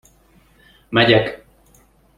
Megyek!